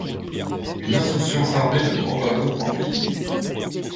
Une insouciance armée de grands ballons remplis d'idées.